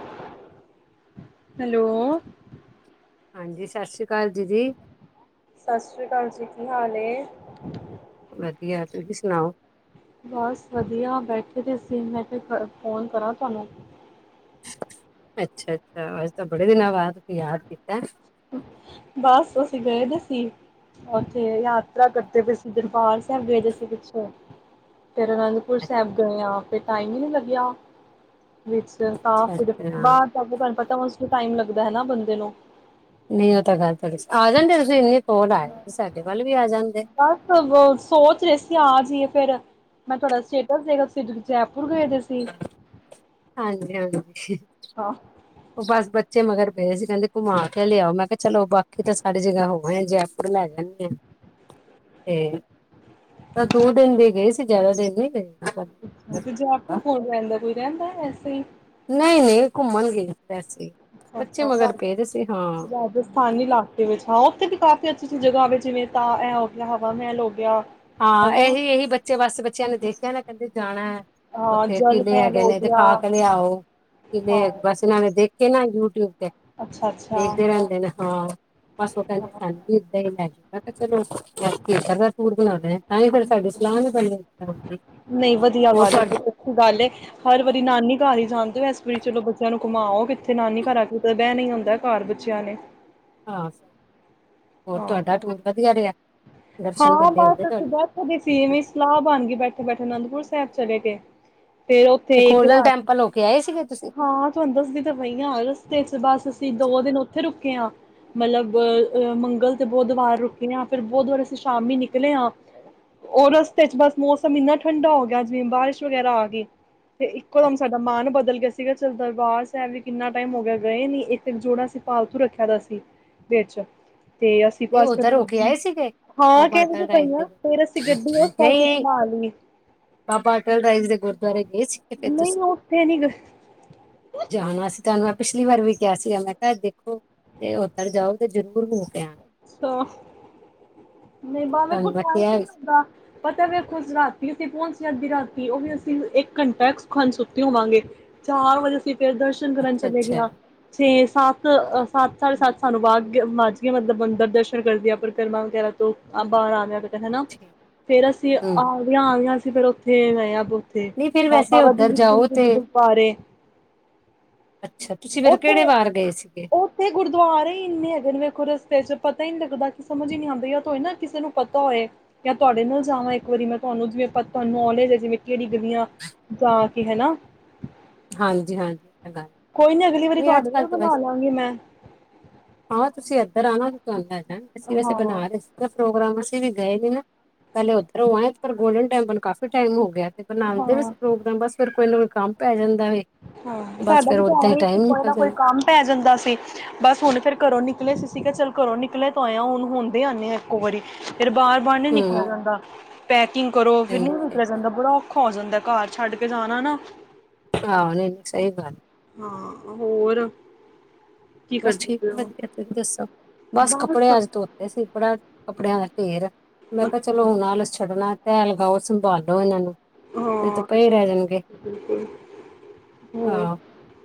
[unintelligible] Hello ਹਾਂਜੀ‌, ਸਾਸੀ ਕਾਲ ਦੀਦੀ। ਸਾਸਰੀ ਕਾਲ ਜੀ। ਕੀ ਹਾਲ ਨੇ? ਵਧੀਆ। ਤੁਸੀਂ ਸੁਣਾਓ? ਬਸ ਵਧੀਆ ਬੈਠੇ ਤੇ ਅਸੀਂ ਮੈਂ ਕਿਹਾ ਫ਼ੋਨ ਕਰਾਂ ਤੁਹਾਨੂੰ। ਅੱਛਾ-ਅੱਛਾ ਅੱਜ ਤਾਂ ਬੜੇ ਦਿਨਾਂ ਬਾਅਦ ਤੁਸੀ ਯਾਦ ਕੀਤਾ। ਬਸ ਅਸੀਂ ਗਏ ਦੇ ਸੀ ਉੱਥੇ ਯਾਤਰਾ ਕਰਦੇ ਪਏ ਸੀ ਦਰਬਾਰ ਸਾਹਿਬ ਗਏ ਸੀ ਪਿਛੋਂ ਫਿਰ ਅਨੰਦਪੁਰ ਸਾਹਿਬ ਗਏ ਆਂ ਫਿਰ ਟਾਈਮ ਹੀ ਨਹੀਂ ਲੱਗਿਆ ਵਿੱਚ ਤਾਂ ਫਿਰ ਅੱਛਾ ਬਾਹਰ ਜਾ ਕੇ ਤੁਹਾਨੂੰ ਪਤਾ ਬਸ ਫਿਰ ਟਾਈਮ ਲੱਗਦਾ ਹੈ ਹਨਾ ਬੰਦੇ ਨੂੰ ਨਹੀਂ ਉਹ ਤਾਂ ਗੱਲ ਤੁਹਾਡੀ ਆ ਜਾਂਦੇ ਤੁਸੀਂ ਇੰਨੇ ਕੌਲ ਆਏ ਸਾਡੇ ਵੱਲ ਵੀ ਆ ਜਾਂਦੇ ਬਸ ਸੋਚ ਰਹੇ ਸੀ ਆਜੀਏ ਫਿਰ ਮੈਂ ਤੁਹਾਡਾ ਸਟੇਟਸ ਦੇਖਾ ਸੀ ਓਦੋਂ ਬਜ਼ਾਰ ਗਏ ਤੁਸੀਂ। ਹਾਂਜੀ -ਹਾਂਜੀ। ਹਾਂ, ਉਹ ਬਸ ਬੱਚੇ ਮਗਰ ਪਏ ਸੀ ਕਹਿੰਦੇ ਘੁੰਮਾ ਕੇ ਲਿਆਓ ਮੈਂ ਕਿਹਾ ਚਲੋ ਬਾਕੀ ਤਾਂ ਸਡੀ ਜਗ੍ਹਾ ਹੋ ਜੈਪੁਰ ਲੈ ਜਾਂਦੇ ਆ ਤੇ ਤਾਂ ਦੋ ਦਿਨ ਲਈ ਗਏ ਸੀ ਜ਼ਿਆਦਾ ਦਿਨ ਨਹੀਂ ਗਏ। ਅੱ ਤੇ ਜੈਪੁਰ ਕੌਣ ਰਹਿੰਦਾ ਕੋਈ ਰਹਿੰਦਾ ਵੈਸੇ ਹੀ ਨਹੀਂ ਨਹੀਂ ਘੁੰਮਣ ਗਏ। ਦੱਸੀ ਅੱਛਾ -ਅੱਛਾ ਰਾਜਸਥਾਨੀ ਇਲਾਕੇ ਵਿੱਚ ਹਾਂ ਉੱਥੇ ਤੇ ਕਾਫ਼ੀ ਅੱਛੀ ਜ ਜਗ੍ਹਾ ਵੇ ਜਿਵੇਂ ਤਾ ਐਂ ਹਵਾ ਮਹਿਲ ਹੋ ਗਿਆ। ਹਾਂ ਹੈਨਾ ਇਹੀ -ਇਹੀ ਬੱਚੇ ਬਸ ਬੱਚਿਆਂ ਨੇ ਦੇਖਿਆ ਨਾ ਕਹਿੰਦੇ ਜਾਣਾ ਹਾਂ ਉੱਥੇ ਜਲ ਕਿਲੇ ਮਹਿਲ ਹੈਗੇ ਹੋ ਨੇ ਗਿਆ ਦਿਖਾ ਕੇ ਲਿਆਓ ਕਿਲੇ ਹਾਂ ਹੈਗੇ ਬਸ ਇਹਨਾਂ ਨੇ ਦੇਖ ਕਿ ਨਾ ਯੂਟਿਊਬ ਅੱਛਾ-ਅੱਛਾ ਦੇਖਦੇ ਹਾਂ। ਰਹਿੰਦੇ ਨੇ ਹਾਂ। ਬਸੋ ਕਦੇ ਸਾਨੂੰ ਹਾਂ। ਹੀ ਲਗ ਮ ਚਲੋ ਫਿਰ [inaudible] ਤਾਂ ਹੀ ਫਿਰ ਸਾਡੀ ਸਲਾਹ ਵੀ ਬਣੀ ਨਹੀਂ ਵਧੀਆ ਹੋਰ ਗੱਲ ਫਿਰ ਤੁ- [inaudible] ਬਹੁਤ ਅੱਛੀ ਗੱਲ ਏ ਹਰ ਵਾਰੀ ਨਾਨੀ ਘਰ ਜਾਂਦੇ ਹੋ ਇਸ ਵਾਰੀ ਚਲੋ ਬੱਚਿਆਂ ਨੂੰ ਘੁਮਾਓ ਕਿੱਥੇ ਨਾਨੀ ਘਰ ਚ ਬਹਿ ਨੀ ਹੁੰਦਾ ਘਰ ਬੱਚਿਆਂ ਨੇ। ਹਾਂ, ਹੋਰ ਹਾਂ। ਤੁਹਾਡਾ ਟੂਰ ਵਧੀਆ ਰਿਹਾ। ਦਰਸ਼ਨ ਹਾਂ ਮੇਲੇ ਹੋ ਗਏ ਬਸ ਅਸੀਂ ਤੁਹਾਡੇ। ਬੈਠ ਦੀ ਸੀ ਵੀ ਸਲਾਹ ਬਣ ਗਈ ਬੈਠੇ- ਬੈਠੇ ਅਨੰਦਪੁਰ ਸ ਸਾਹਿਬ ਚਲੇ ਗਏ। ਫੇਰ ਉੱਥੇ ਤੇ ਇੱਕ ਗੋਲਡਨ ਰਾਤ ਟੈਂਪਲ ਹੋ ਕੇ ਆਏ ਸੀਗੇ ਤੁਸੀਂ ਹਾਂ ਤੁਹਾਨੂੰ ਦੱਸਦੀ ਤਾਂ ਪਈ ਹ ਰਸਤੇ ਚ ਬਸ ਅਸੀਂ ਦੋ ਦਿਨ ਉੱਥੇ ਰੁਕੇੇ ਹਾਂ। ਮਤਲਬ ਅਹ ਮੰਗਲ ਤੇ ਬੁੱਧਵਾਰ ਰੁਕੇ ਆ ਫਿਰ ਬੁੱਧਵਾਰ ਸ਼ਾਮੀ ਨਿਕਲੇ ਹਾਂ ਉਹ ਰਸਤੇ ਚ ਬਸ ਮੌਸਮ ਇੰਨਾ ਠੰਡਾ ਹੋ ਗਿਆ ਜਿਵੇਂ ਬਾਰਿਸ਼ ਵਗੈਰਾ ਆ ਗਏ। ਤੇ ਇੱਕੋ ਦਮ ਸਾਡਾ ਮਨ ਬਦਲ ਗਿਆ ਸੀ। ਸੀਗਾ ਚੱਲ ਦਰਬਾਰ ਸਾਹਿਬ ਵੀ ਕਿੰਨਾ ਟਾਈਮ ਹੋ ਗਿਆ ਗਏ ਨੀ ਇੱਕ -ਇੱਕ ਜੋੜਾ ਸੀ ਫਾਲਤੂ ਰੱਖਿਆ ਦਾ ਸੀ ਵਿੱਚ ਤੇ ਅਸੀਂ ਪਾਸ ਉੱਧਰ ਕਰਦੇ ਹੋ ਕੇ ਆਏ ਸੀਗੇ। ਹ ਬਾਬਾ ਅਟਲ ਰਾਏ ਦੇ ਉਸ ਪਾਸੇ ਨਹੀਂ ਘੁਮਾ ਲਈ ਬਾਬਾ ਅਟਲ ਰਾਏ ਜੀ ਦੇ ਗੁਰਦੁਆਰੇ ਗਏ ਸੀ। ਫਿਰ ਨਹੀਂ ਤੁਸੀਂ ਉੱਥੇ ਨੀ ਗਏ। ਜਾਣ ਵਾਸਤੇ ਤੁਹਾਨੂੰ ਮੈ ਪਿਛਲੀ ਵਾਰੀ ਵੀ ਕਿਹਾ ਸੀਗਾ ਮੈਂ ਕਿਹਾ ਦੇਖੋ ਤੇ ਉੱਤਰ ਜਾਓ ਤੇ ਜ਼ਰੂਰ ਹੋ ਕੇ ਆ। ਅ ਨਹੀਂ ਵਾਹ ਮੇਰੇ ਕੋਲ ਤੁਹਾਨੂੰ ਮੈਂ ਟਾਇਮ ਕਿਹਾ ਨਹੀਂ ਵੀ ਸੀ। ਲੱਗਦਾ ਪਤਾ ਮੇਰੇ ਕੁ ਰਾਤੀ ਉੱਥੇ ਪਹੁੰਚ ਜਾਂਦੀ ਰਾਤੀ ਉਹ ਵੀ ਅਸੀਂ ਇੱਕ ਘੰਟਾ ਖਾਲੀ ਸੁੱਤੇ ਹੋਵਾਂਗੇ ਚਾਰ ਵਜੇ ਅਸੀਂ ਫਿਰ ਦਰਸ਼ਨ ਕਰਨ ਅੱਛਾ ਚਲੇ ਗਏ ਅੱਛਾ ਆ। ਸੱਤ ਸੱਤ ਸਾਢੇ ਸੱਤ ਵੱਜ ਗਏ ਸਾਨੂੰ ਮਤਲਬ । ਦਰਸ਼ਨ ਕਰਦੇ ਆ। ਪ੍ਰਕਰਮਾ ਵਗੈਰਾ ਤੋਂ ਬਾਹਰ ਆਂਦੇ। ਹੈਨਾ ਠੀਕ ਫੇਰ ਅਸੀਂ ਹੂੰ ਆਦੀਆਂ ਆਇਆਂ ਂ ਫੇਰ ਉੱਥੇ ਗਏ ਹਾਂ। ਨਹੀਂ ਫਿਰ ਵੈਸੇ ਬਾਬਾ ਉੱਧਰ ਦੀਪ ਸਿੰਘ ਜਾਓ ਜੀ ਤੇ ਦੇ ਗੁਰਦੁਆਰੇ। ਅੱਛਾ ਤੁਸੀਂ ਫਿਰ ਉੱਥੇ ਕਿਹੜੇ ਵਾਰ ਗਏ ਸੀਗੇ ਉੱਥੇ ਗੁਰਦੁਆਰੇ ਹੀ ਇਨੇ ਹੈਗੇ ਨੇ ਵੇਖੋ ਰਸਤੇ ਚ ਪਤਾ ਹੀ ਨੀ ਲੱਗਦਾ ਕਿ ਸਮਝ ਹੀ ਨਹੀਂ ਆਉਂਦੀ। ਜਾਂ ਤਾਂ ਹੋਏ ਨਾ ਕਿਸੇ ਨੂੰ ਪਤਾ ਹੋਏ, ਜਾਂ ਤੁਹਾਡੇ ਨਾਲ ਜਾਵਾਂ। ਇੱਕ ਵਾਰੀ ਮੈਂ ਤੁਹਾਨੂੰ ਜਿਵੇਂ ਤੁਹਾਨੂੰ ਨੌਲੇਜ ਹੈ, ਜਿਵੇਂ ਕਿਹੜੀ ਗਲਿਆਂ ਜਾ ਕੇ ਹੈ ਨਾ। ਹਾਂਜੀ- ਹਾਂਜੀ। ਤਾਂ ਗੱਲ ਕੋਈ ਨੀ ਅਗਲੀ ਵਾਰੀ ਨਹੀਂ ਅੱਜ ਤੁਹਾਡੇ ਕੱਲ੍ਹ ਨਾਲ ਤਾਂ ਵੈਸੇ ਬਣਾਲਾਂਗੀ ਮੈਂ। ਫਿਰ ਆਉਣਾ ਦੁਕਾਨ ਤੇ। ਅਸੀ ਵੈਸੇ ਹਾਂ ਬਣਾ ਰਹੇ ਸੀ ਪੋ੍ਗਰਾਮ। ਅਸੀਂ ਵੀ ਗਏ ਨੇ ਨਾ ਪਹਿਲੇ ਉੱਧਰੋਂ ਆਏ ਪਰ ਗੋਲਡਨ ਟੈਂਪਲ ਕਾਫੀ ਟਾਈਮ ਹੋ ਗਿਆ। ਤੇ ਬਣਾਉਂਦੇ ਵੀ ਹਾਂ ਪ੍ਰੋਗਰਾਮ ਬਸ ਫਿਰ ਕੋਈ ਨਾ ਕੋਈ। ਕੰਮ ਪੈ ਜਾਂਦਾ। ਵੇ ਹਾਂ ਬਸ ਸਾਡਾ ਫਿਰ ਵੀ ਤਾਂ ਓਦਾਂ ਹੀ ਟਾਈਮ ਕੋਈ ਨਿਕਲ ਨਾ ਕੋਈ ਜਾਂਦਾ ਕੰਮ ਪੈ ਜਾਂਦਾ ਸੀ ਬਸ ਹੁਣ ਫੇਰ ਘਰੋਂ ਨਿਕਲੇ ਸੀ। ਠੀਕ ਹੈ ਚੱਲ ਕਰੋ ਨਿਕਲੇਿਆ ਤੋਂ ਆਏਆ ਹੁਣ ਹੁੰਦੇ ਹੀ ਆਉਦੇ ਆ ਇੱਕੋ ਵਾਰੀ। ਫਿਰ ਬਾਹਰ ਬਾਹਰ ਨੀ ਹੂੰ ਨਿਕਲਿਆ ਜਾਂਦਾ। ਪਤ। [unintelligible] ਕੁਕਿੰਗ ਕਰੋ ਫਿਰ ਨਹੀਂ ਨਿਕਲਿਆ ਜਾਂਦਾ ਬੜਾ ਔਖਾ ਹੁੰਦਾ ਹੋ ਜਾਂਦਾ ਹੈ ਘਰ ਛੱਡ ਕੇ ਜਾਣਾ ਨਾ। ਹਾਂ ਨਹੀਂ ਨਹੀਂ ਸਹੀ ਗੱਲ। ਹਾਂ ਹੋਰ? ਕੀ ਬਸ ਕਰਦੇ ਠੀਕ ਪਏ ਹੋ? ਵਧੀਆ ਤੁਸੀਂ ਦੱਸੋ ਬਸ ਕੱਪੜੇ ਅੱਜ ਧੋਤੇ ਸੀ ਬੜਾ ਕੱਪੜਿਆਂ ਦਾ। ਢੇਰ ਮੈਂ ਕਿਹਾ ਅੱਛਾ ਚਲੋ ਹੁਣ ਆਲਸ ਛੱਡਣਾ। ਤਯੱ ਲਗਓ ਸੰਭਾਲੋ ਇਹਨਾਂ ਨੂੰ। ਨਹੀਂ ਤਾਂ ਹਾਂ ਪਏ ਰਹਿ ਜਾਣਗੇ ਬਿਲਕੁਲ ਹੋਰ ਆਹ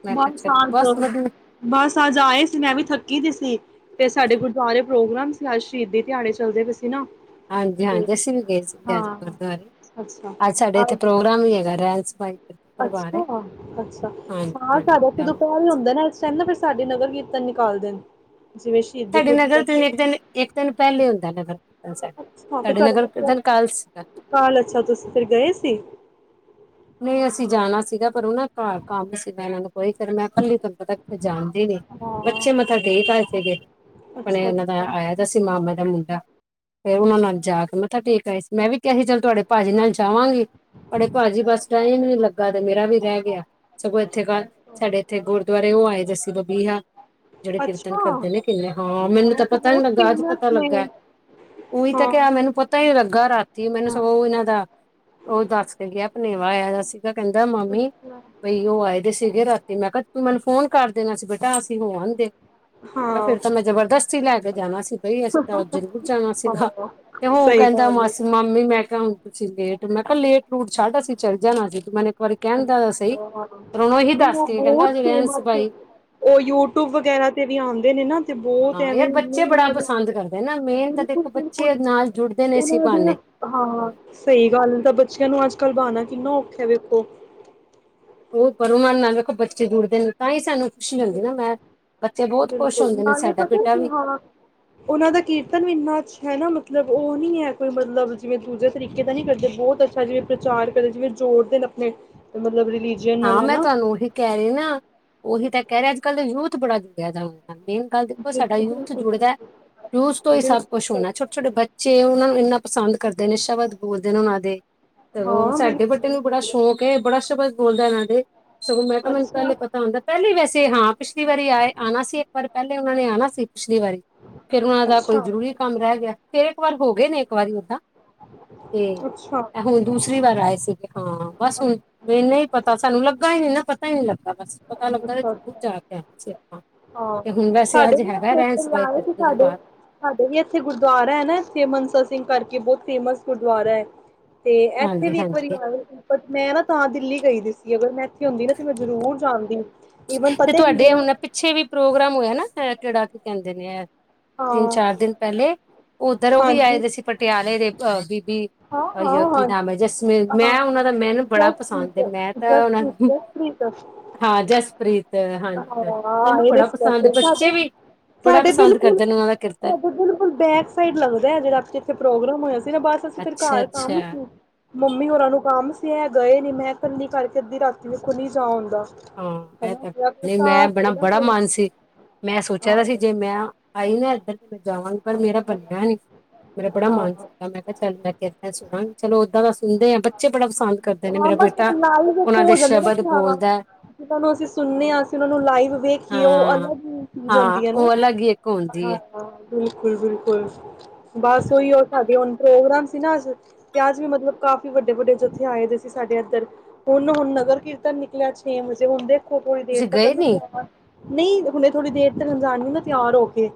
ਮੈਂ ਕਿਹਾ ਬਸ ਚਲੋ ਅੱਜ ਬਸ ਵਧੀਆ ਬਸ ਆਜ ਆਏ ਸੀ, ਮੈਂ ਵੀ ਥੱਕੀ ਪਈ ਸੀ ਤੇ ਸਾਡੇ ਗੁਰਦੁਆਰੇ ਪ੍ਰੋਗਰਾਮ ਸੀ ਆਜ ਸ਼ਹੀਦੀ ਦਿਹਾੜੇ ਚੱਲਦੇ ਪਏ ਸੀ ਨਾ। ਹਾਂਜੀ, ਤੇ ਹਾਂਜੀ ਅਸੀਂ ਵੀ ਗਏ ਸੀਗੇ ਆਜ ਹਾਂ ਗੁਰਦੁਆਰੇ ਅੱਛਾ। ਤੇ ਅ ਇੱਥੇ ਪ੍ਰੋਗਰਾਮ ਵੀ ਹੈਗਾ, ਰਹਨ [unintelligible] ਅੱਛਾ, ਅੱਛਾ ਸਾਹ ਹਾਂਜੀ ਸਾਡਾ ਜਦੋਂ ਪਹਿਰ ਹੀ ਜਾਵਾਂਗੇ ਹੁੰਦਾ ਨਾ ਇਸ ਟਾਈਮ ਨਾ ਸਾਡੇ ਨਗਰ ਕੀਰਤਨ ਨਿਕਾਲਦੇ ਨੇ ਜਿਵੇਂ ਸ਼ਹੀਦੀ ਸਾਡੇ ਨਗਰ ਗੁਰਪੁਰਬ ਤੋਂ ਤੇ ਨਾ ਇੱਕ ਦਿਨ ਇੱਕ ਦਿਨ ਪਹਿਲੇ ਹੁੰਦਾ ਨਗਰ ਸਾਡੇ ਅੱਛਾ ਫਿਰ ਸਾਡੇ ਨਗਰ ਤੁਹਾਡੇ ਕੀਰਤਨ ਕੱਲ ਸੀਗਾ ਕਲ, ਅੱਛਾ ਤੁਸੀਂ ਫਿਰ ਗਏ ਸੀ। ਨਹੀਂ ਅਸੀਂ ਜਾਣਾ ਸੀਗਾ, ਪਰ ਉਹ ਨਾ ਘਰ ਕੰਮ ਸੀ, ਇਹਨਾਂ ਨੂੰ ਕੋਈ, ਫਿਰ ਮੈਂ ਕੱਲੀ ਤੁਹਾਨੂੰ ਪਤਾ ਕਿ ਜਾਣਦੇ ਨੀ, ਹਾਂ ਬੱਚੇ ਮੱਥਾ ਟੇਕ ਆਏ ਸੀਗੇ, ਆਪਣੇ ਅੱਛਾ ਉਹਨਾਂ ਦਾ ਅੱਛਾ ਆਇਆ ਤਾਂ ਸੀ ਮਾਮਾ ਦਾ ਫੇਰ ਉਹਨਾਂ ਨਾਲ ਜਾ ਕੇ, ਮੱਥਾ ਠੇਕ ਆਈ ਸੀ। ਮੈਂ ਵੀ ਕਿ ਅਸੀਂ ਚੱਲ ਤੁਹਾਡੇ ਪਾਜੀ ਨਾਲ ਜਾਵਾਂਗੇ, ਤੁਹਾਡੇ ਪਾਜੀ ਬਸ ਟਾਈਮ ਨੀ ਲੱਗਾ ਤੇ ਮੇਰਾ ਵੀ ਰਹਿ ਗਿਆ। ਸਗੋਂ ਇੱਥੇ ਕ ਸਾਡੇ ਇੱਥੇ ਗੁਰਦੁਆਰੇ ਉਹ ਆਏ ਜੇ ਸੀ, ਬਬੀਹਾ ਜਿਹੜੇ ਅੱਛਾ ਕੀਰਤਨ ਹਾਂ ਕਰਦੇ ਨੇ ਕਿੰਨੇ ਹਾਂ, ਮੈਨੂੰ ਤਾਂ ਉਹ ਪਤਾ ਨੀ ਬਹੁਤ ਲੱਗਾ, ਅੱਜ ਪਤਾ ਫੇਮਸ ਨੇ ਲੱਗਾ ਉਹੀ ਤਾਂ ਹਾਂ ਕ ਮੈਨੂੰ ਪਤਾ ਹੀ ਨੀ ਲੱਗਾ, ਰਾਤੀ ਮੈਨੂੰ ਹਾਂ ਸਗੋਂ ਇਹਨਾਂ ਦਾ ਉਹ ਦੱਸ ਕੇ ਗਿਆ। ਭਨੇਵਾ ਆਇਆ ਦਾ ਸੀ। ਕਹਿੰਦਾ ਮਾਮੀ ਅੱਛਾ ਬਈ ਉਹ ਆਏ ਦੇ ਸੀਗੇ, ਰਾਤੀ ਮੈਂ ਕਿਹਾ ਮੈਨੂੰ ਫੋਨ ਕਰ ਦੇਣਾ ਸੀ, ਬੇਟਾ ਅਸੀਂ ਹੋ ਆਦੇ। ਹਾਂ ਫਿਰ ਤਾਂ ਮੈਂ ਜਬਰਦਸਤੀ ਲੈ ਕੇ ਜਾਣਾ ਸੀ, ਪਈ ਅਸੀਂ ਤਾਂ ਜਰੂਰ ਜਾਣਾ ਸੀਗਾ, ਹਾਂ ਤੇ ਔ ਸਹੀ ਕਹਿੰਦਾ ਗੱਲ ਮਾਸੀ ਮਾਮੀ ਮੈਂ ਕਿਹਾ ਹੁਣ ਤੁਸੀਂ ਲੇਟ, ਮੈਂ ਕਿਹਾ ਲੇਟ ਲੂਟ ਛੱਡ ਅਸੀਂ ਚਲ ਜਾਣਾ ਜੇ ਮ ਦੱਸ ਕੇ ਕਹਿੰਦਾ ਬਹੁਤ ਅਜੇ ਰਹਿਣ ਫ ਸਬਾਈ ਉਹ ਯੂਟਿਊਬ ਵਗੈਰਾ ਤੇ ਵੀ ਆਉਂਦੇ ਨੇ ਨਾ ਬਹੁਤ ਹਾਂ ਐਵੇਂ ਯਾਰ ਬੱਚੇ ਬੜਾ ਉਹਨਾਂ ਦੇ ਪਸੰਦ ਕਰਦੇ ਨਾ ਮੇਨ ਤਾਂ ਬਿਲਕੁਲ, ਦੇਖੋ ਬੱਚੇ ਬਿਲਕੁਲ ਨਾਲ ਜੁੜਦੇ ਨੇ ਇਸੀ ਉਹਨਾਂ ਦੇ ਬਹਾਨੇ ਹਾਂ ਸਹੀ ਗੱਲ ਤਾਂ ਬੱਚਿਆਂ ਨੂੰ ਅੱਜ ਕਲ ਬਾਣਾ ਕਿੰਨਾ ਔਖਾ ਵੇਖੋ ਔ ਕਰੋ ਨਾਲ, ਨਾਲ ਦੇਖੋ ਬੱਚੇ ਜੁੜਦੇ ਨੇ ਤਾਂ ਹੀ ਸਾਨੂੰ ਖੁਸ਼ੀ ਹੁੰਦੀ ਨਾ ਮੈਂ ਬੱਚੇ ਬਹੁਤ ਖੁਸ਼ ਬਿਲਕੁਲ ਹੁੰਦੇ ਨੇ ਨਾਲੇ ਸਾਡਾ ਪਤਾ ਬੇਟਾ ਕਿ ਵੀ ਹਾਂ ਉਹਨਾਂ ਦਾ ਕੀਰਤਨ ਵੀ ਇੰਨਾ ਅੱਛਾ ਹੈ, ਨਾਲ ਮਤਲਬ ਉਹ ਨੀ ਹੈ ਕੋਈ ਮਤਲਬ ਜਿਵੇਂ ਦੂਜੇ ਤਰੀਕੇ ਦਾ ਨੀ ਕਰਦੇ ਬਹੁਤ ਅੱਛਾ ਜਿਵੇਂ ਪ੍ਰਚਾਰ ਕਰਦੇ, ਜਿਵੇਂ ਜੋੜਦੇ ਨੇ ਆਪਣੇ ਮਤਲਬ ਰਿਲੀਜੀਅਨ ਨਾਲ ਹਾਂ ਮੈਂ ਹਨਾ। ਤੁਹਾਨੂੰ ਔਹੀ ਕਹਿ ਰਹੀ ਨਾ, ਔਹੀ ਤਾਂ ਕਹਿ ਰਹੇ ਅੱਜ -ਕੱਲ੍ਹ ਯੂਥ ਬੜਾੁ ਜੂੜਿਆ ਦਾ ਮੇਨ ਗੱਲ ਦੇਖੋ ਸਾਡਾ ਬਿਲਕੁਲ ਯੂਥ ਬਿਲਕੁਲ ਜੁੜਦਾ, ਬਿਲਕੁਲ। ਯੂਥ ਤੋਂ ਹੀ ਸਭ ਬਿਲਕੁਲ ਕੁਛ ਸਹੀ ਹੋਣਾ ਛੋਟੇ- ਗੱਲ ਛੋਟੇ ਹੈ। ਬੱਚੇ ਉਹਨਾਂ ਨੂੰ ਇੰਨਾ ਪਸੰਦ ਕਰਦੇ ਨੇ, ਸ਼ਬਦ ਬੋਲਦੇ ਨੇ ਉਹਨਾਂ ਦੇ ਤੇ ਹੋਰ, ਹਾਂ ਸਾਡੇ ਬਿਲਕੁਲ ਵੱਡੇ ਨੂੰ ਬੜਾ ਬਿਲਕੁਲ ਸ਼ੌਕ ਹੈ। ਬੜਾ ਸ਼ਬਦ ਬੋਲਦਾ ਉਹਨਾਂ ਦੇ ਸਗੋ, ਮੈਂ ਕੇਹਾ ਮੈਨੂੰ ਪਹਿਲੇ ਅੱਛਾ ਹੀ ਪਤਾ ਹੁੰਦਾ, ਪਹਿਲੇ ਹੀ ਵੈਸੇ ਤੇ ਹਾਂ- ਪਿਛਲੀ ਵਾਰੀ ਆਏ ਆਣਾ ਸੀ ਇਕ ਵਾਰ ਪਹਿਲੇ ਉਹਨਾਂ ਨੇ ਆਉਣਾ ਸੀ ਪਿਛਲੀ ਵਾਰੀ, ਫੇਰ ਉਹਨਾਂ ਦਾ ਕੋਈ ਅੱਛਾ ਜ਼ਰੂਰੀ ਕੰਮ ਰਹਿ ਗਿਆ ਫੇਰ ਇਕ ਵਾਰ ਹੋ ਗਏ ਨੇ ਇਕ ਵਾਰੀ ਓਦਾਂ ਤੇ, ਅੱਛਾ ਹੁਣ ਦੂਸਰੀ ਵਾਰ ਆਏ ਸੀਗੇ ਹਾਂ ਬਸ ਹੁਣ ਅੱਛਾ ਇਨਾ ਹੀ ਪਤਾ ਸਾਨੂੰ ਲੱਗਾ ਹੀ ਨਹੀ ਨਾ ਪਤਾ ਹੀ ਨਹੀ ਲਗਾ- [unintelligible] ਅੱਛਾ। ਹਾਂ ਸਾਡੇ ਵੀ ਇਥੇ ਕੀਰਤਨ ਸਾਡੇ- ਦਰਬਾਰ ਸਾਡੇ ਵੀ ਇਥੇ ਗੁਰਦੁਆਰਾ ਨਾ ਇਥੇ ਮਨਸਾ ਸਿੰਘ ਕਰਕੇ ਬਹੁਤ ਫੇਮਸ ਗੁਰਦੁਆਰਾ ਹੈ। ਤੇ ਇੱਥੇ ਹਾਂਜੀ ਵੀ ਇੱਕ ਵਾਰੀ ਹਾਂਜੀ ਆਵੇ ਮੈਂ ਨਾ ਤਾਂ ਦਿੱਲੀ ਗਈ ਦੀ ਸੀ ਅਗਰ ਮੈਂ ਇਥੇ ਹੁੰਦੀ ਨਾ ਤੇ ਮੈਂ ਜ਼ਰੂਰ ਜਾਨਦੀ- ਤੇ ਤੁਹਾਡੇ ਹੁਣ ਪਿੱਛੇ ਵੀ- ਪ੍ਰੋਗਰਾਮ ਹੋਇਆ ਨਾ ਕਿਹੜਾ ਕੀ ਕਹਿੰਦੇ ਨੇ ਐ ਤਿੰਨ ਹਾਂ ਚਾਰ ਦਿਨ ਪਹਿਲੇ ਉੱਧਰ ਉਹ ਵੀ ਆਏ ਹਾਂਜੀ ਦੇ ਸੀ ਪਟਿਆਲੇ ਦੇ ਅਹ ਬੀਬੀ ਹਾਂ ਹਾਂ ਅਹੀਓ ਕੀ ਨਾਮ ਹੈ। ਹਾਂਜੀ ਜਸਪ੍ਰੀਤ ਹਾਂ ਮੈਂ ਉਹਨਾਂ ਦਾ ਮੈਨੂੰ ਬੜਾ ਜਸਟ ਪਸੰਦ ਪ੍ਰੀਤ ਹੈ। ਮੈਂ ਤਾਂ ਜਸਟ ਉਹਨਾਂ ਪ੍ਰੀਤ ਜਸਟ ਪ੍ਰੀਤ ਹਾਂ ਜਸਪ੍ਰੀਤ ਪ੍ਰੀਤ- ਹਾਂ ਬੱਚੇ ਵੀ ਬੜਾ ਸਾਡੇ ਪਸੰਦ ਬਿਲਕੁਲ ਕਰਦੇ ਨੇ ਉਹਨਾਂ ਦਾ ਕੀਰਤਨ ਸਾਡੇ ਬਿਲਕੁਲ ਬੈਕ ਸਾਈਡ ਲਗਦਾ ਜਿਹੜਾ ਜਿਥੇ ਪ੍ਰੋਗਰਾਮ ਹੋਇਆ ਬਸ ਅਸੀ ਫਿਰ ਘਰ ਅੱਛਾ-ਅੱਛਾ ਕੰਮ ਸੀ ਮੰਮੀ ਹੋਰਾਂ ਨੂੰ ਕਮ ਏ ਗਏ ਨੇ ਮੈਂ ਕਿਹਾ ਇਕੱਲੀ ਕਰਕੇ ਅੱਧੀ ਰਾਤੀ ਨੂੰ ਖੁਦ ਜਾਣ ਹਨਾ- ਨਹੀ ਨਾ ਮੈਂ ਕੋਈ ਬੜਾ ਹਾਂ ਮਨ ਸੀ ਮੈਂ ਸੋਚਿਆ ਹਾਂ ਤਾਂ ਸੀ ਜੇ ਮੈਂ ਆਈ ਇੱਧਰ ਤੇ ਮੈਂ ਜਾਵਾਂਗੀ ਪਰ ਮੇਰਾ ਬਣਿਆ ਨਹੀ ਮੇਰਾ ਬੜਾ ਹਾਂ ਮਨ ਸੀਗਾ ਮੈਂ ਕਿਹਾ ਚਲ ਮੈਂ ਕਿਹਾ ਇੱਦਾਂ ਸੁਣਾਂਗੀ ਚਲੋ ਏਦਾਂ ਤਾਂ ਸੁਣਦੇ ਆ ਬੱਚੇ ਬੜਾ ਪਸੰਦ ਕਰਦੇ ਨੇ ਹਾਂ ਮੇਰਾ ਬਸ ਬੇਟਾ ਲਾਈਵ ਇੱਕ ਉਹਨਾਂ ਦੇ ਹੋ ਜਾਂਦਾ ਨਾ ਸ਼ਬਦ ਕਿ ਹਾਂ ਬੋਲਦਾ ਜਿਹਨਾਂ ਸੁਣਨੇ ਹ ਅਸੀ ਉਹਨਾ ਨੂੰ ਲਾਈਵ ਵੇਖੀਏ ਉਹ ਹਾਂ ਅਲੱਗ ਚੀਜ਼ ਹਾਂ ਹੁੰਦੀ ਹੈ। ਉਹ ਅਲੱਗ ਹੀ ਇੱਕ ਹੁੰਦੀ ਹੈ ਬਿਲਕੁਲ ਬਿਲਕੁਲ ਬਸ ਉਹੀ ਉਹ ਸਾਡੇ ਹੁਣ ਪ੍ਰੋਗਰਾਮ ਸੀ ਨਾ ਅਜ ਤੇ ਅਜ ਵੀ ਮਤਲਬ ਕਾਫੀ ਵੱਡੇ ਵੱਡੇ ਜਥੇ ਆਏ ਸੀ ਸਾਡੇ ਇਧਰ ਹੁਣੇ ਹੁਣੇ ਨਗਰ ਕੀਰਤਨ ਨਿਕਲਿਆ ਛੇ ਵਜੇ ਹੁਣੇ ਰੱਖੋ ਥੋੜੀ ਦੇਰ ਤੁਸੀਂ ਗਏ ਤੱਕਨੂੰ ਨੀ ਪਵਾਂ ਨਹੀ ਹੁਣੇ ਥੋੜੀ ਦੇਰ ਤੱਕ ਜਾਣਗੇ ਨਾ ਤਿਆਰ ਹੋ ਕੇ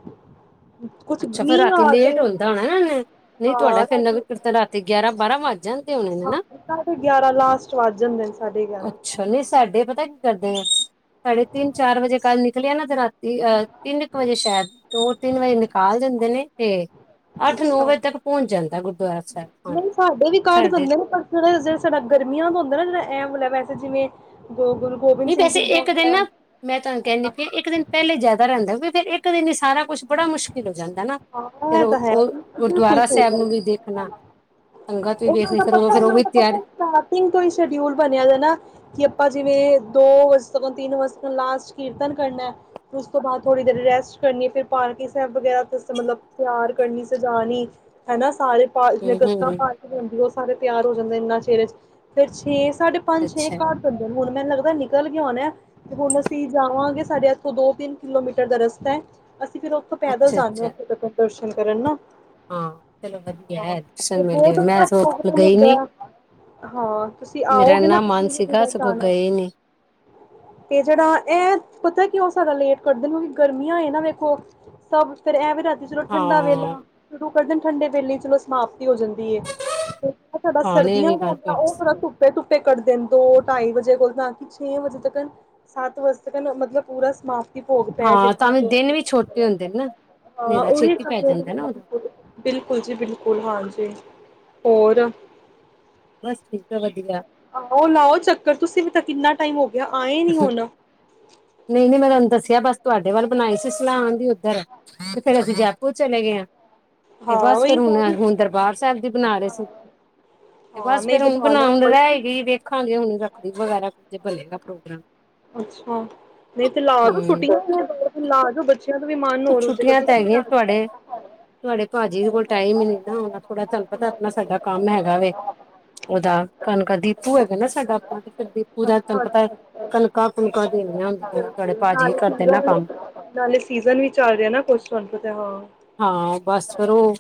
ਕੁਛ ਅੱਛਾ ਫੇਰ ਮੀਂਹ ਰਾਤੀ ਆ ਲੇਟ ਜਾਏ ਹੁੰਦਾ ਹੋਣਾ ਨਾ ਨਹੀ ਤੁਹਾਡਾ ਹਾਂ ਫਿਰ ਰਾਤੀ ਨਗਰ ਕਿਰਤ ਰਾਤੀ ਗਿਆਰਾਂ ਬਾਰਾਂ ਵੱਜ ਜਾਂਣ ਹਾਂ ਸਾਢੇ ਗਿਆਰਾਂ ਲਾਸਟ ਵੱਧ ਜਾਂਦੇ ਨੇ ਸਾਢੇ ਗਿਆਰਾਂ ਅੱਛਾ ਨਹੀਂ ਸਾਡੇ ਪਤਾ ਕੀ ਕਰਦੇ- ਸਾਢੇ ਤੀਨ ਚਾਰ ਵਜੇ ਕੱਲ ਨ ਕਲਿਆ ਨਾ ਜ ਰਾਤੀ ਅ ਤਿੰਨ ਇੱਕ ਵਜੇ ਸ਼ਾਇਦ ਦੋ ਤਿੰਨ ਵਜੇ ਨਿਕ ਕਾਲ ਦਿੰਦੇ ਨੇ ਤੇ ਅੱਠ ਨੌ ਅੱਛਾ ਵਜੇ ਤੱਕ ਪਹੁੰਚ ਜਾਂਦਾ ਗੁਰਦੁਆਰਾ ਸਾਹਿਬ ਹਾਂਜੀ ਨਹੀਂ ਸਾਡੇ ਵੀ ਘਟ ਸਾਡੇ ਹੁੰਦੇ ਨੇ ਪਰਹੜਾ ਜਿਹੜਾ ਸਾਡਾ ਗਰਮੀਆਂ ਦਾ ਹੁੰਦਾ ਨਾ ਜਿਹੜਾ ਐ ਮ ਵੈਸੇ ਜਿਵੇਂ ਗੁਰੂ ਗੋਬਿੰਦ ਨਹੀਂ ਸਿੰਘ ਵੈਸੇ ਜੀ ਦਾ ਇੱਕ ਦਿਨ ਨਾ ਹੁੰਦਾ ਮੈਂ ਤੁਹਾਨੂੰ ਕਹਿੰਦੀ ਫਿਰ ਇੱਕ ਦਿਨ ਪਹਿਲੇ ਜ਼ਿਆਦਾ ਰਹਿੰਦਾ ਹੋ ਫੇਿਰ ਇੱਕ ਦਿ ਨ ਸਾਰਾ ਕੁਛ ਬੜਾ ਮੁਸ਼ਕਿਲ ਹੋ ਜਾਂਦਾ ਨਾ ਹਾਂ ਫਿਰ ਇਹ ਉਹ ਤਾਂ ਹੈੁ ਉਹ ਬਿਲਕੁਲ ਗੁਰਦੁਆਰਾ ਸਾਹਿਬ ਨੂੰ ਵੀ ਦੇਖਣਾ ਸੰਗਤ ਵੀ ਦਾ ਵੇਖਣੀ ਪਤਾ ਫਿਰ ਉਦੋਂ ਫਿਰ ਉਹ ਵੀ ਪਤਾ ਤਿਆਰ ਸਟਾਰਟਿੰਗ ਤੋਂ ਹੀ ਸ਼ਡਿਊਲ ਬਣਿਆ ਨਾ ਕਿ ਆਪਾਂ ਜਿਵੇਂ ਦੋ ਵਜੇ ਤਨ ਤਿੰਨ ਵਜੇ ਤਨ ਲਾਸਟ ਕੀਰਤਨ ਕਰਨਾ ਫਿਰ ਉਸ ਤੋਂ ਬਾਅਦ ਥੋੜ੍ਹੀ ਦੇਰ ਰੈਸਟ ਕਰਨੀ ਫਿਰ ਪਾਰਕ ਵਗੈਰਾ ਮਤਲਬ ਤਿਆਰ ਕਰਨੀ ਸਜਾਣੀ ਹਨਾ ਸਾਰੇ ਪਾ ਜਿਵੇਂ ਹੂੰ ਗੱਤਾਂ ਹੂੰ ਪਾਾਲ ਕੇ ਆਦੀ ਉਹ ਸਾਰੇ ਪਿਆਰ ਹੋ ਜਾਂਦਾ ਇੰਨਾ ਚਿਰ ਚ ਫਿਰ ਛੇ ਸਾਢੇ ਪੰਜ ਛੇ ਅੱਛਾ ਘਟ ਹਦੇ ਨੇ ਹੁਣ ਮੈਂ ਲੱਦਾ ਨਿਕਲ ਗਿਆ ਹੋਣਾ ਤੇ ਹੁਣ ਅਸੀਂ ਜਾਵਾਂਗੇ ਸਾਡੇ ਇੱਥੋਂ ਦੋ ਤਿੰਨ ਕਿਲੋਮੀਟਰ ਦਾ ਰਸਤਾ ਹੈ। ਅਸੀਂ ਫਿਰ ਉੱਥੋਂ ਪੈਦਲ ਅੱਛਾ ਜਾਂਦੇ ਹਾਂ ਅੱਛਾ ਉੱਥੇ ਤੱਕ ਦਸ਼ਨ ਕਰਨ ਨਾ ਹਾਂ ਚਲੋ ਵਧੀਆ ਹੈ ਦਰਸ਼ਨ ਮਿਲਦੇ ਮੈਂ ਬਤਗ ਸੋ ਹੁੰ ਗਈ ਨੀ ਹਾਂ ਤੁਸੀਂ ਮੇਰਾ ਆਓਗੇ ਨਾ ਇੰਨਾ ਮਨ ਸੀਗਾ ਸਗੋਂ ਜਾਣਾ ਗਏ ਨੀ ਤੇ ਜਿਹੜਾ ਇਹ ਪਤਾ ਕਿ ਹੋ ਸਕਦਾ ਲੇਟ ਕਰਦੇ ਨੇ ਕਿਉਕਿ ਗਰੀਆਂ ਇਹ ਨਾ ਦੇ ਸਭ ਫਿਰ ਐਵਰੇਜ ਚਲੋ ਹਾਂ ਠੰਡਾ ਵੇਲਾ [unintelligible] ਕਰ ਦਿਨ ਠੰਡੇ ਵੇਲੇ ਚਲੋ ਸਮਾਪਤੀ ਹੋ ਜਾਂਦੀ ਹੈ। ਜ ਸਾਡਾ ਆਣੇ ਸਰਦੀਆਂ ਵੀ ਦਾ ਗੱਲ ਹੁੰਦਾ ਤੁਹਾਡੀ ਉਹਥੜਾ ਧੁੱ ਧੇ ਕੱਢਦੇ ਦੋ ਢਾਈ ਵਜੇ ਕੋਲ ਨਾ ਕਿ ਛੇ ਵਜੇ ਤੱਕ ਸੱਤ ਵਜੇ ਤੱਕ ਮਤਲਬ, ਪੂਰਾ ਸਮਾਪਤ ਭੋਗ ਪੈ ਹਾਂ ਜਿੱਥਾਂ ਤਾਂਵੇਂ ਦੇ ਦਿਨ ਵੀ ਛੋਟੇ ਹੁੰਦੇ ਨੇ ਨਾ ਹਾਂ ਹਨੇਰਾ ਉਹੀ ਛੇਤੀ ਪੈ ਜਾਂਦਾ ਨਾ ਉਦੋਂ ਬਿਲਕੁਲ ਜੀ ਬਿਲਕੁਲ ਹਾਂਜੀ। ਹੋਰ ਬਸ ਠੀਕ ਆ ਵਧੀਆ। ਆਹੋ ਉਹ ਲਾਓ ਚੱਕਰ ਤੁਸੀਂ ਵੀ ਤਾਂ ਕਿੰਨਾ ਟਾਈਮ ਹੋ। ਗਿਆ ਆਏ ਨੀ ਹੁਣ ਨਹੀਂ ਨਹੀਂ ਮੈਂ ਤੁਹਾਨੂੰ ਦੱਸਿਆ ਬਸ ਤੁਹਾਡੇ ਵੱਲ ਬਣਾਈ ਸੀ ਸਲਾਾਨ ਦੀ ਉੱਧਰ ਤੇ ਫੇਰ ਅਸੀਂ ਜੈਪੁਰ ਚਲੇ ਗਏ ਹਾਂ ਤੇ ਹਾਂ ਬਸ ਉਹੀ ਫੇਿਰ ਕਹਿ ਹੁਣ ਰਹੀ, ਹੁਣ ਦਰਬਾਰ ਸਾਹਿਬ ਦੀ ਬਣਾ ਰਹੇ ਸੀ ਤੇ ਹਾਂ ਬਸ ਨਹੀਂ ਫੇਿਰ ਹੁਣ ਬਣਾ ਲਓ ਬਣਾਉਣ ਕੋਈ ਨੀ ਰਹਿ ਗਈ ਵੇਖਾਂਗੇ ਹੁਣ ਰੱਖੜ ਵਗੈਰਾ ਜੇ ਭਲੇ ਕ ਪ੍ਰੜੋ ਅੱਛਾ ਨਹੀਂ ਤੇ ਲਾਜ ਫੱਟ ਲ ਬੱਚੇ ਉਹ ਛੁੱਟੀਆਂ ਤਾਂ ਹੈ ਗੀਆਂ ਤੁਹਾਡੇ ਤੁਹਾਡੇ ਭਾਜੀੀ ਦੇ ਕੋਲ ਟਾਈਮ ਹੀ ਨੀ ਨਾ ਆਣਾ ਥੋੜਾ ਤੁਹਾਨੂੰ ਪਤਾ ਆਪਣਾਂ ਸਾਡਾ ਕੰਮ ਹੈਗਾ ਵ ਉਹਦਾ ਕਣਕ ਡਿੱਪੂ ਹੈਗਾ ਨਾ ਸਾਡਾ ਆਪਣਾ ਡਿੱਪੂ ਦਾ ਤੈਨੂੰ ਅੱਛਾ ਪੱਤਾ ਅੱਛਾ ਕਣਕਾਂ ਕੁਣਕਾਂ ਦੇਣੀਆਂ ਹੁੰਦੀਆਂ ਤੁਹਾਡੇ ਬਿਲਕੁਲ, ਭਾਜੀ ਨਾਲੇ ਕਰਦੇ ਨੇ ਸੀਜ਼ਨ ਕੰਮ ਨਾਲੇ ਸੀਜ਼ਨ ਵੀ ਚੱਲ ਰਿਹਾ ਨਾ ਕੁਛ ਤੁਹਾਨੂੰ ਪਤਾ ਹਾਂ ਹਾਂ ਬੱਸ ਫਿਰ ਉਹ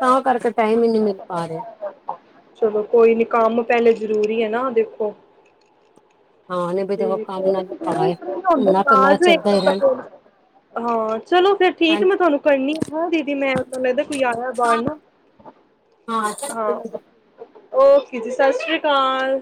ਤਾਂ ਕਰਕੇ ਟਾਇਮ ਟਾਇਮ ਨਹੀਂ ਮਿਲ ਪਾ ਰਿਹਾ ਚਲੋ ਕੋਈ ਨੀ ਕੰਮ ਪਹਿਲੇ ਜਰੂਰੀ ਹੈ ਨਾ ਦੇਖੋ ਹਾਂ ਨਹੀਂ ਬਈ ਦੇਖੋ ਕੰਮ ਨਾਲ ਹੀ ਪਾਏ ਘੁੰਮਣਾ ਫਿਰਨਾ ਚੱਲਦਾ ਹੀ ਰਹਿਣ ਹਾਂ, ਚਲੋ ਫਿਰ ਠੀਕ ਹੈ। ਮੈਂ ਹਾਂਜੀ ਤੁਹਾਨੂੰ ਕਰਨੀ ਆ ਫੋਨ ਦੀਦੀ, ਮੈਂ ਲਗੱਦਾ ਕੋਈ ਆਇਆ ਬਾਹਰ ਹਾਂ ਨਾ। ਹਾਂ ਹਾਂ। ਚਲੋ। ਉਕੇ ਜੀ, ਸਤਿ ਸ਼੍ਰੀ- ਕਾਲ।